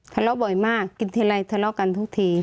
ทะเลาะบ่อยมากกินทีไรทะเลาะกันทุกที